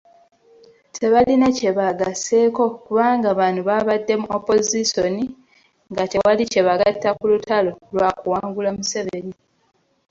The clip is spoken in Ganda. Tebalina kye baagasseeko kubanga bano babadde mu Opozisoni nga tewali kye bagatta ku lutalo lw'okuwangula Museveni.